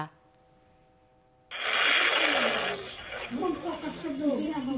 บรรพกับชนดู